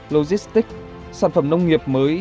logistic sản phẩm nông nghiệp mới